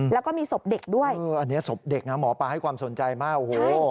แล้วก็มีศพเด็กด้วยเอออันนี้ศพเด็กนะหมอปลาให้ความสนใจมากโอ้โห